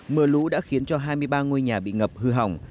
mưa lũ đã khiến cho hai mươi ba ngôi nhà bị ngập hư hỏng